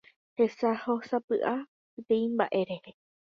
hesahósapy'a peteĩ mba'e rehe